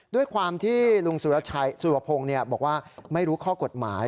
ด้วยความที่ลุงสุรพงศ์บอกว่าไม่รู้ข้อกฎหมาย